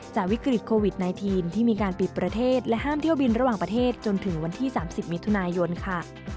วิกฤตโควิด๑๙ที่มีการปิดประเทศและห้ามเที่ยวบินระหว่างประเทศจนถึงวันที่๓๐มิถุนายนค่ะ